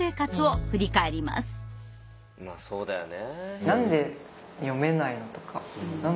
まあそうだよね。